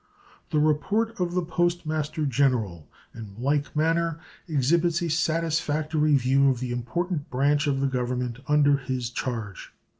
The report of the Post Master General in like manner exhibits a satisfactory view of the important branch of the Government under his charge.